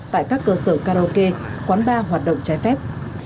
tại các cơ sở karaoke quán bar hoạt động trái phép